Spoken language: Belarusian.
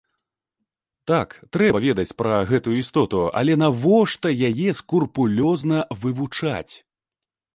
Так, трэба ведаць пра гэтую істоту, але навошта яе скрупулёзна вывучаць?